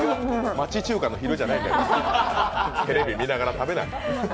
町中華の昼じゃないんですから、テレビ見ながら食べない！